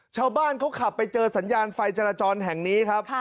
ชาวบ้านเขาขับไปเจอสัญญาณไฟจราจรแห่งนี้ครับ